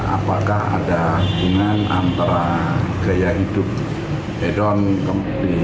apakah ada hubungan antara gaya hidup hedon ke